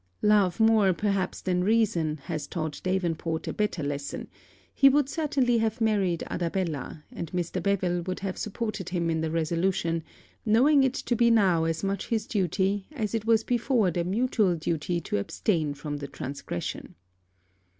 Love more perhaps than reason has taught Davenport a better lesson; he would certainly have married Arabella, and Mr. Beville would have supported him in the resolution, knowing it to be now as much his duty as it was before their mutual duty to abstain from the transgression.